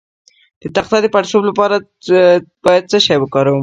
د تخه د پړسوب لپاره باید څه شی وکاروم؟